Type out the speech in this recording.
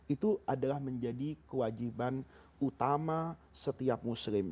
itu adalah menjadi kewajiban utama setiap muslim